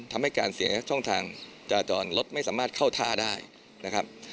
ทำให้การเสียช่องทางจราจรรถไม่สามารถเข้าท่าได้นะครับ